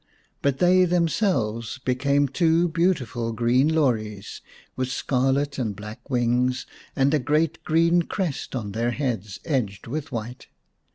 But they themselves became two beautiful green lorys, with scarlet and black wings, and a great green crest on their heads edged with white.